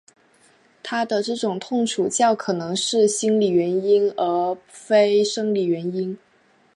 他的这种痛楚较可能是心理因素而非生理因素。